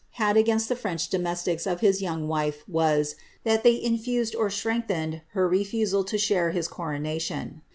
had against the French domestics of his young wife was, that they infused or strength ened her refusal to share his coronation.